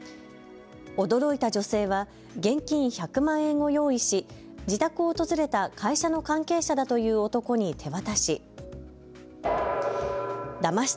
驚いた女性は現金１００万円を用意し、自宅を訪れた会社の関係者だという男に手渡し。